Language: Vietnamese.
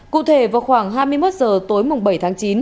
cụ thể vào khoảng hai mươi một h tối bảy tháng chín